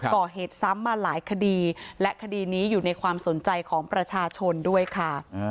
ก่อเหตุซ้ำมาหลายคดีและคดีนี้อยู่ในความสนใจของประชาชนด้วยค่ะ